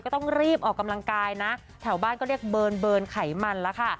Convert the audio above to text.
ก็ต้องรีบออกกำลังกายนะแถวบ้านก็เรียกเบิร์นไขมันแล้วค่ะ